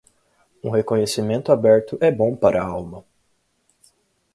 Um reconhecimento aberto é bom para a alma.